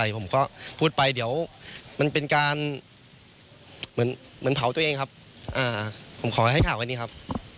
ผมก็พูดไปเดี๋ยวมันเป็นการเหมือนเผาตัวเองครับผมขอให้ข่าวอันนี้ครับ